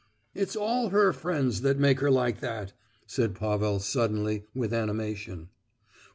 "It's all her friends that make her like that," said Pavel, suddenly, with animation.